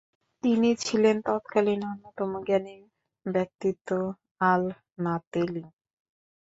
তিনি ছিলেন তৎকালীন অন্যতম জ্ঞানী ব্যক্তিত্ব আল নাতেলী।